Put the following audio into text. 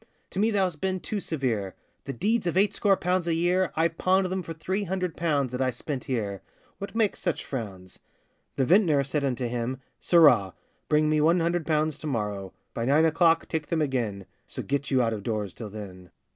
'To me thou hast been too severe; The deeds of eightscore pounds a year, I pawned them for three hundred pounds, That I spent here;—what makes such frowns?' The vintner said unto him, 'Sirrah! Bring me one hundred pounds to morrow By nine o'clock,—take them again; So get you out of doors till then.